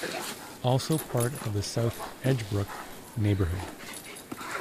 Also part of the South Edgebrook Neighborhood.